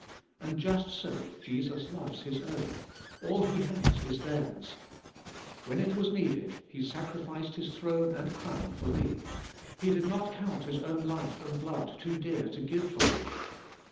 And just so Jesus loves His own: all He has is theirs. When it was needed. He sacrificed His throne and crown for thee: He did not count His own life and blood too dear to give for thee.